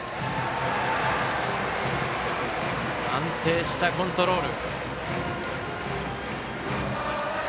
安定したコントロール。